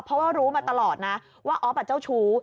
เพราะว่ารู้มาตลอดนะว่าออฟเจ้าชู้